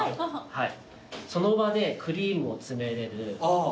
はい。